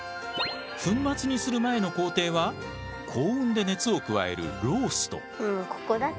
粉末にする前の工程は高温で熱を加えるロースト。